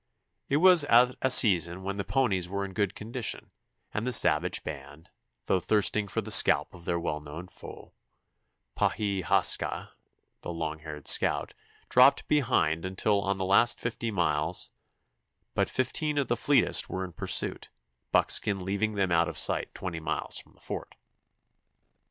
It was at a season when the ponies were in good condition, and the savage band, though thirsting for the scalp of their well known foe, Pa he has ka (the long haired scout), dropped behind until on the last fifty miles but fifteen of the fleetest were in pursuit, Buckskin leaving them out of sight twenty miles from the fort.